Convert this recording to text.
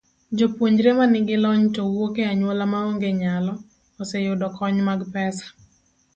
Jopuonjre ma nigi lony to wuok e anyuola maonge nyalo, oseyudo kony mag pesa.